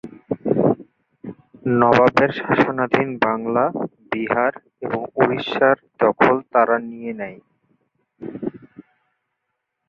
নবাবের শাসনাধীন বাংলা, বিহার এবং উড়িষ্যার দখল তারা নিয়ে নেয়।